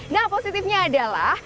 nah positifnya adalah